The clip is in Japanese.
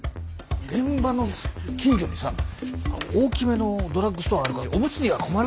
現場の近所にさ大きめのドラッグストアあるからオムツには困らないよ。